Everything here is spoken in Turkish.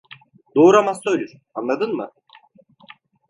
Doğuramazsa ölür. Anladın mı?